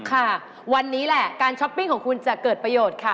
ค่ะวันนี้แหละการช้อปปิ้งของคุณจะเกิดประโยชน์ค่ะ